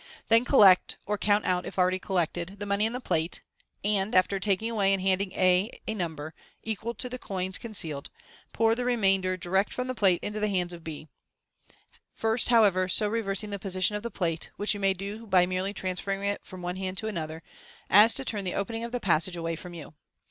Then collect (or count out, if already col lected) the money in the plate, and, after taking away and handing to A a number equal to the coins concealed, pour the remainder direct from the plate into the hands of B, first, however, so reversing the position of the plate (which you may do by merely transferring it from the one hand to the other) as to turn the opening of the passage away from you.